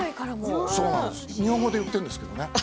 日本語で言っているんですけれどね。